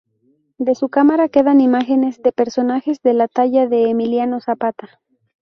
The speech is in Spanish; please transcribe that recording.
De su cámara quedan imágenes de personajes de la talla de Emiliano Zapata.